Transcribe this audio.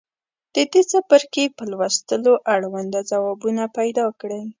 د دې څپرکي په لوستلو اړونده ځوابونه پیداکړئ.